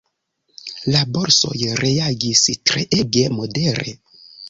La borsoj reagis treege modere.